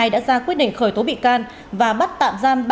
đã ra quyết định khởi tố bị can và bắt tạm giam